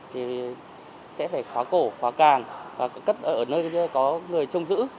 thì sẽ phải khóa cổ khóa càn và cất ở nơi có người trông giữ